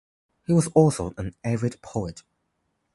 He was also an avid poet.